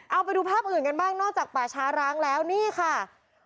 เอาไปดูภาพอื่นกันบ้างนอกจากป่าช้าร้างแล้วนี่ค่ะ